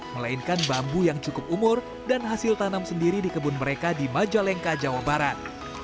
melainkan bambu yang cukup umur dan hasil tanam sendiri di kebun mereka di majalengka jawa barat